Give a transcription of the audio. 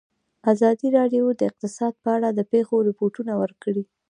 ازادي راډیو د اقتصاد په اړه د پېښو رپوټونه ورکړي.